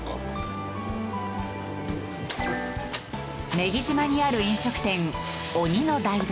女木島にある飲食店鬼の台所。